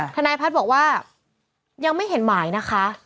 ทนายพัฒน์บอกว่ายังไม่เห็นหมายนะคะ